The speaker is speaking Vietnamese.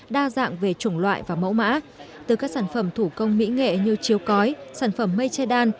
đa dạng về chủng loại và mẫu mã từ các sản phẩm thủ công mỹ nghệ như chiếu cói sản phẩm mây che đan